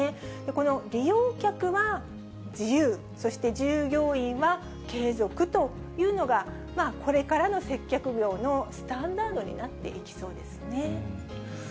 この利用客は自由、そして従業員は継続というのが、これからの接客業のスタンダードになっていきそうですね。